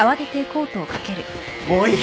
もういい。